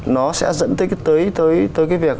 nó sẽ dẫn tới cái việc